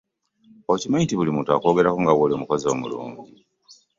Okimanyi nti buli muntu akwogerako nga wooli omukozi omulungi.